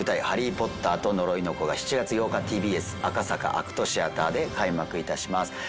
「ハリー・ポッターと呪いの子」が７月８日ＴＢＳ赤坂ＡＣＴシアターで開幕いたします